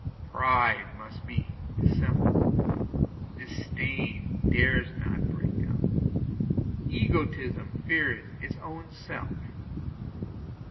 Pride must be dissembled; disdain dares not break out; egotism fears its own self.